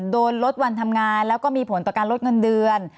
ลดวันทำงานแล้วก็มีผลต่อการลดเงินเดือน